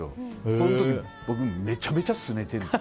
この時、僕めちゃめちゃすねてる。